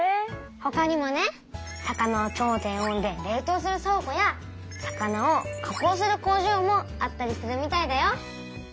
ほかにもね魚を超低温で冷とうする倉庫や魚を加工する工場もあったりするみたいだよ。